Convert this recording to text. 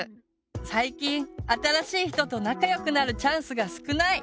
最近新しい人と仲よくなるチャンスが少ない！